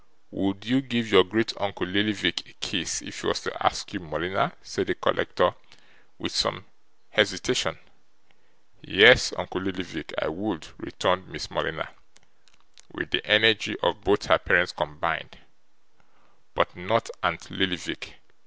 'Would you give your great uncle Lillyvick a kiss if he was to ask you, Morleena?' said the collector, with some hesitation. 'Yes; uncle Lillyvick, I would,' returned Miss Morleena, with the energy of both her parents combined; 'but not aunt Lillyvick.